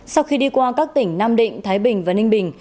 sau khi đi qua các tỉnh nam định thái bình và ninh bình